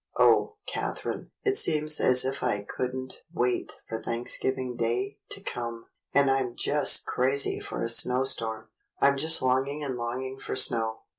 Oh, Catherine, it seems as if I could n't wait for Thanksgiving Day to come! and I'm just crazy for a snowstorm. I'm just longing and longing for snow.